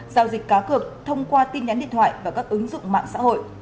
giao dịch cá cược thông qua tin nhắn điện thoại và các ứng dụng mạng xã hội